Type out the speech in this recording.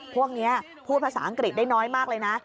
พวกนี้พูดภาษาอังกฤษได้น้อยมากเลยนะ